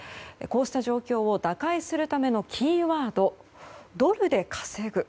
こうした状況を打開するためのキーワードドルで稼ぐ。